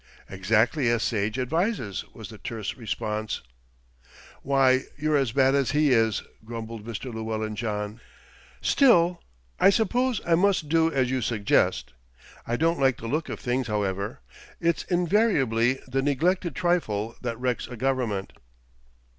"Exactly as Sage advises," was the terse response. "Why, you're as bad as he is," grumbled Mr. Llewellyn John. "Still, I suppose I must do as you suggest. I don't like the look of things, however. It's invariably the neglected trifle that wrecks a government."